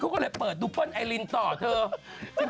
เขาก็เลยเปิดดูเปิ้ลไอลินต่อเถอะ